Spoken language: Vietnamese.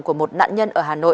của một nạn nhân ở hà nội